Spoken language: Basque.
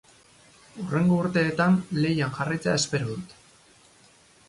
Hurrengo urteetan lehian jarraitzea espero dut.